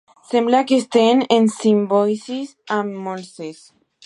Sembla que estan en simbiosi amb molses.